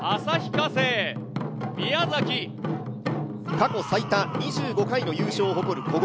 過去最多２５回の優勝を誇る古豪。